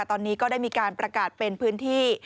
ตอนนี้ก็ได้มีการประกาศเป็นพื้นที่